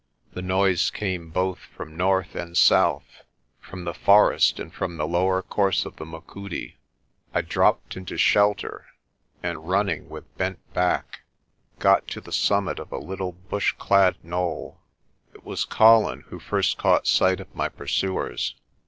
The noise came both from north and south, from the forest and from the lower course of the Machudi. I dropped into shelter and, running with bent back, got to the summit of a little bush clad knoll. It was Colin who first caught sight of my pursuers.